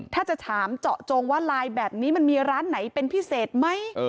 ถ้าจะถามเจาะจงว่าไลน์แบบนี้มันมีร้านไหนเป็นพิเศษไหม